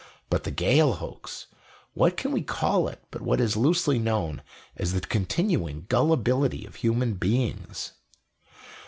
But the Gale Hoax what can we call it but what is loosely known as the continuing gullibility of human beings?